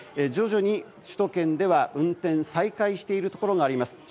徐々に首都圏では運転再開しているところがあります。